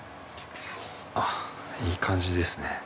ああいい感じですね。